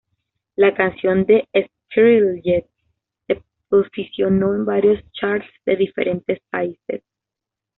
La canción de Skrillex se posicionó en varios charts de diferentes países.